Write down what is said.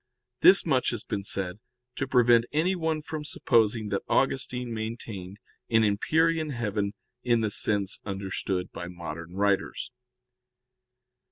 This much has been said to prevent anyone from supposing that Augustine maintained an empyrean heaven in the sense understood by modern writers.